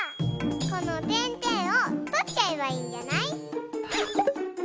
このてんてんをとっちゃえばいいんじゃない？